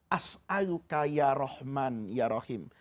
as'aluka ya rohman ya rohim